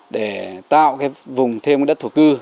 để tạo vùng thêm đất thổ cư